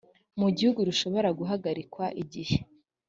mu gihugu rushobora guhagarikwa igihe